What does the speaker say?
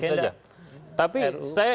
efektif saja tapi saya